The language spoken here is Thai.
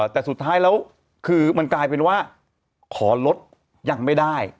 แต่สุดท้ายแล้วคือมันกลายเป็นว่าขอลดยังไม่ได้